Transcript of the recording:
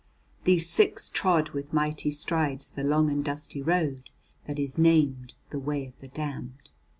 These six trod with mighty strides the long and dusty road that is named the Way of the Damned.